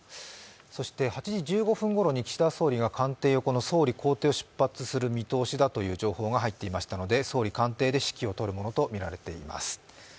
そして８時１５分ごろに岸田総理が官邸横から出発する見通しだという情報が入ってきましたので総理官邸で指揮をとるものとみられています。